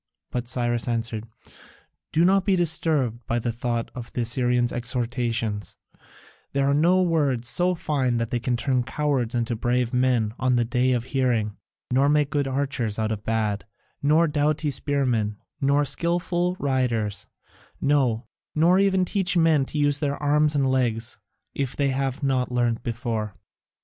But Cyrus answered: "Do not be disturbed by the thought of the Assyrian's exhortations; there are no words so fine that they can turn cowards into brave men on the day of hearing, nor make good archers out of bad, nor doughty spearmen, nor skilful riders, no, nor even teach men to use their arms and legs if they have not learnt before."